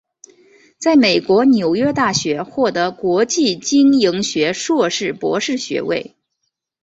在美国纽约大学获得国际经营学硕士博士学位。